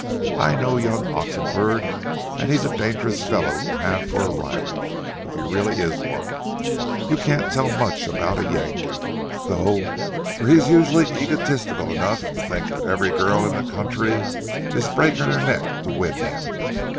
I know young Oxenford, and he's a dangerous fellow to have for a rival, if he really is one. You can't tell much about a Yankee, though, for he's usually egotistical enough to think that every girl in the country is breaking her neck to win him.